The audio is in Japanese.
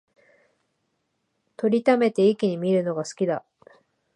録りためて一気に観るのが好きだ